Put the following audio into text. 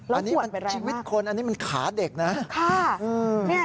แล้วผวดไปแรงมากอันนี้มันขาเด็กนะชีวิตคน